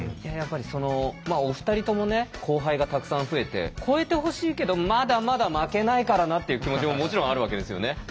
やっぱりお二人ともね後輩がたくさん増えて超えてほしいけどまだまだ負けないからなって気持ちももちろんあるわけですよね？